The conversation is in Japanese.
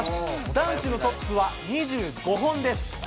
男子のトップは、２５本です。